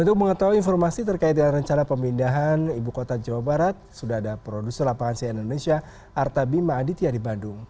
untuk mengetahui informasi terkait dengan rencana pemindahan ibu kota jawa barat sudah ada produser lapangan cnn indonesia arta bima aditya di bandung